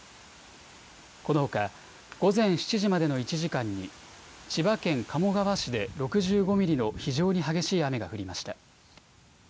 このほか午前７時までの１時間に千葉県鴨川市で６５ミリの非常に激しい雨が降りました。